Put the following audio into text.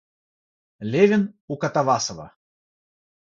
Левин у Катавасова.